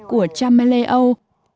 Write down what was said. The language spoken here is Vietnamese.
của cha ma lê âu